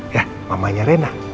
ya mamanya rena